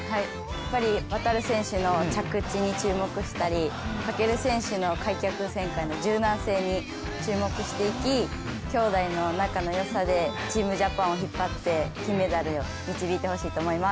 やっぱり航選手の着地に注目したり、翔選手の開脚、柔軟性に注目していき、兄弟の仲の良さでチームジャパンを引っ張って金メダルに導いてほしいと思います。